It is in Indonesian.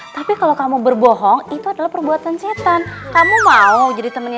tapi kalau kamu berbohong itu adalah perbuatan setan